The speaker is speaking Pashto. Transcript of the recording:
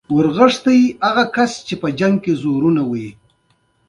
د اوبو سم مدیریت د فصل بریا تضمینوي.